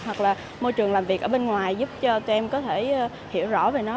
hoặc là môi trường làm việc ở bên ngoài giúp cho tụi em có thể hiểu rõ về nó